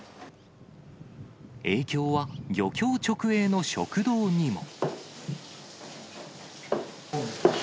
影響は漁協直営の食堂にも。